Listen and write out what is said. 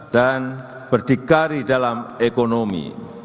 dan berdikari dalam ekonomi